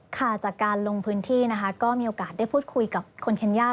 ค่ะจากการลงพื้นที่นะคะก็มีโอกาสได้พูดคุยกับคุณเคนย่า